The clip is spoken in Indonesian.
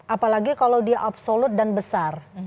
apalagi kalau dia absolut dan besar